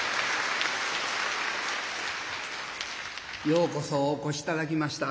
ようこそお越し頂きました。